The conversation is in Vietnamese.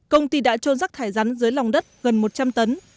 công ty đã trôn rắc thải rắn dưới lòng đất gần một trăm linh tấn